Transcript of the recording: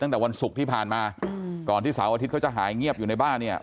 ตั้งแต่วันศุกร์ที่ผ่านมาก่อนที่เสาร์อาทิตย์เขาจะหายเงียบอยู่ในบ้านเนี่ย